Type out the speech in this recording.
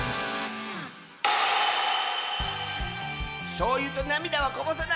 しょうゆとなみだはこぼさない！